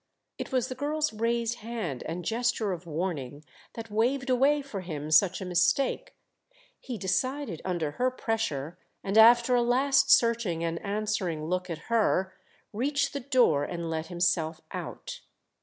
It was the girl's raised hand and gesture of warning that waved away for him such a mistake; he decided, under her pressure, and after a last searching and answering look at her reached the door and let himself out.